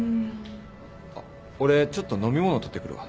あっ俺ちょっと飲み物取ってくるわ。